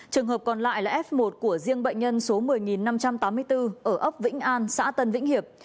trường hợp còn lại là f một của riêng bệnh nhân số một mươi năm trăm tám mươi bốn ở ấp vĩnh an xã tân vĩnh hiệp